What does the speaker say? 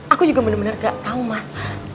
aku juga benar benar gak tau mas